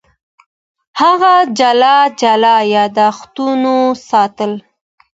هغه جلا جلا یادښتونه ساتل.